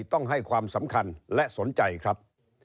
ต้องให้ความสำคัญและสนใจครับ